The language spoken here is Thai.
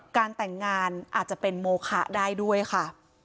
การแต่งงานอาจจะเป็นโมคะได้ด้วยค่ะ